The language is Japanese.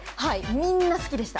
みんな好きでした。